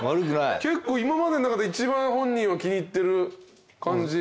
今までの中で一番本人は気に入ってる感じ。